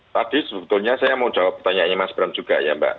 tadi sebetulnya saya mau jawab pertanyaannya mas bram juga ya mbak